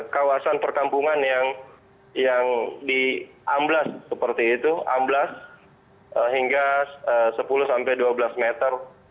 kawasan perkampungan yang diamblas seperti itu amblas hingga sepuluh sampai dua belas meter